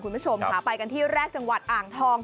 คุณผู้ชมค่ะไปกันที่แรกจังหวัดอ่างทอง